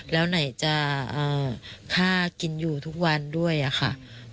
แล้วไหนจะค่ากินอยู่ทุกวันด้วยค่ะ